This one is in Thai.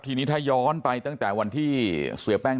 ทีนี้ถ้าย้อนไปตั้งแต่วันที่เสียแป้ง